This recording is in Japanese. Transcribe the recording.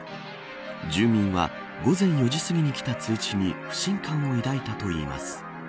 住民は午前４時すぎに来た通知に不信感を抱いたといいます。